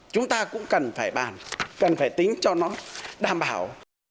chúng ta cũng cần phải bàn cần phải tính cho nó đảm bảo